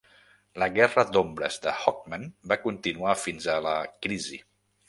La "Guerra d'ombres de Hawkman" va continuar fins a la "Crisi".